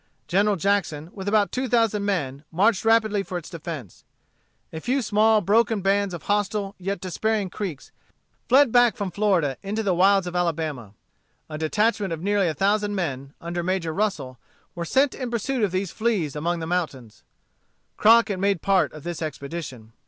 General Jackson, with about two thousand men, marched rapidly for its defence. A few small, broken bands of hostile, yet despairing Creeks, fled back from Florida into the wilds of Alabama. A detachment of nearly a thousand men, under Major Russell, were sent in pursuit of these fleas among the mountains. Crockett made part of this expedition.